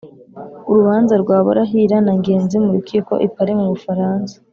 Urubanza rwa Barahira na Ngenzi m'urukiko i Paris m'Ubufaransa.